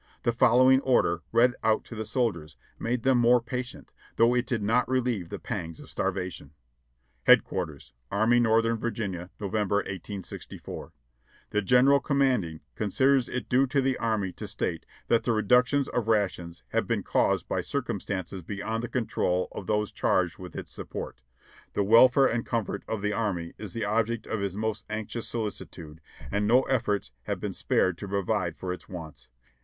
The following order, read out to the soldiers, made them more patient, though it did not relieve the pangs of starvation : "Headquarters, Army Northern Va., "November, 1864. "The General commanding considers it due to the army to state that the reductions of rations have been caused by circumstances be yond the control of those charged with its support. The welfare and 664 JOHNNY REB AND BILL,Y YANK comfort of the army is the object of his most anxious soHcitude, and no efforts have been spared to provide for its wants.